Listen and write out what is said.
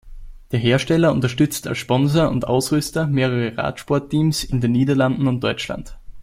Der Hersteller unterstützt als Sponsor und Ausrüster mehrere Radsportteams in den Niederlanden und Deutschland.